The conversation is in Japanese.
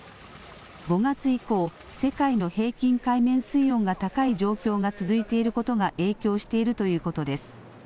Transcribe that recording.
５月以降、世界の平均海面水温が高い状況が続いていることが影響しているということです。